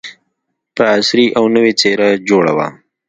په عصري او نوې څېره جوړه وه.